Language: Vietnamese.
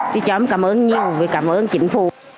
thì cho em cảm ơn nhiều cảm ơn chính phủ